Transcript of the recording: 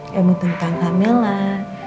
ilmu tentang hamil lah